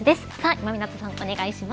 今湊さん、お願いします。